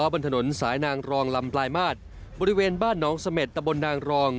บนถนนสายนางรองลำปลายมาตรบริเวณบ้านน้องเสม็ดตะบนนางรอง